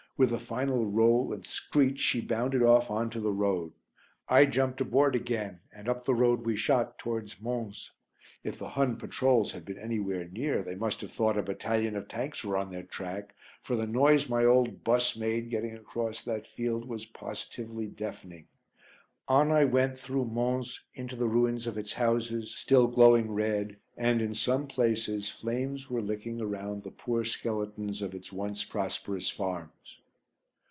With a final roll and screech she bounded off on to the road. I jumped aboard again and up the road we shot towards Mons. If the Hun patrols had been anywhere near they must have thought a battalion of Tanks were on their track, for the noise my old "bus" made getting across that field was positively deafening. On I went through Mons, into the ruins of its houses, still glowing red and, in some places, flames were licking around the poor skeletons of its once prosperous farms.